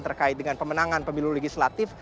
terkait dengan pemenangan pemilu legislatif